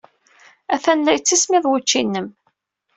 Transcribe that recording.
Atan la yettismiḍ wučči-nnem.